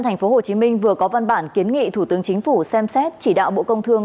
tp hcm vừa có văn bản kiến nghị thủ tướng chính phủ xem xét chỉ đạo bộ công thương